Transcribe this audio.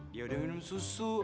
dia udah minum susu